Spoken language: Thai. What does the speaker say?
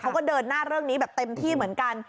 เขาก็เดินหน้าเรื่องนี้แบบเต็มที่เหมือนกัน